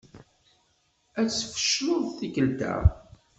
Ad tfecleḍ tikkelt-a.